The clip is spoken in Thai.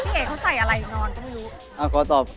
ตีนี้เขาใส่อะไรเจอก็ไม่รู้